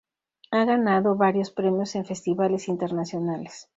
Ha ganado varios premios en festivales internacionales.